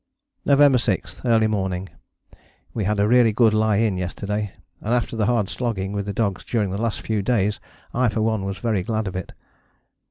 November 6. Early morning. We had a really good lie in yesterday, and after the hard slogging with the dogs during the last few days I for one was very glad of it.